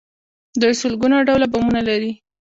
دوی سلګونه ډوله بمونه لري.